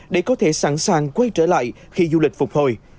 để có thể sẵn sàng quay trở lại khi du lịch phục hồi